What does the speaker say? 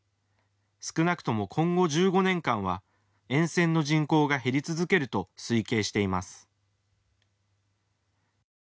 少なくとも今後１５年間は沿線の人口が減り続けると推計しています。